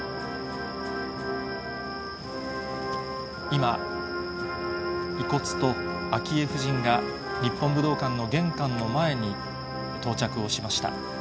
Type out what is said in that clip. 今、遺骨と昭恵夫人が、日本武道館の玄関の前に到着をしました。